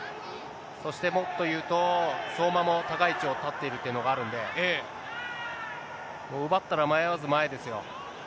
そして、もっというと、相馬も高い位置を取っているというのがあるので、奪ったら迷わず前ですよ。